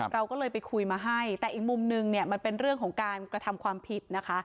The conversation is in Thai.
เราก็เลยไปคุยมาให้แต่อีกมุมนึงเนี่ยมันเป็นเรื่องของการกระทำความผิดนะคะ